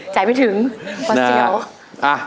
จ่ายไม่ถึงป่าเซียว